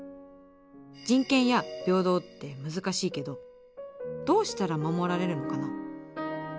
人権や平等って難しいけどどうしたら守られるのかな？